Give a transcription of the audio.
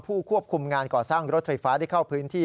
ควบคุมงานก่อสร้างรถไฟฟ้าได้เข้าพื้นที่